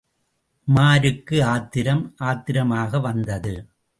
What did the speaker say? உமாருக்கு ஆத்திரம் ஆத்திரமாகவந்தது.